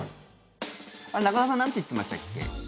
あれ、中田さんなんて言ってましたっけ？